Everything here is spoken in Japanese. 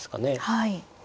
はい。